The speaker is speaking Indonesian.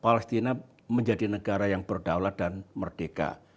palestina menjadi negara yang berdaulat dan merdeka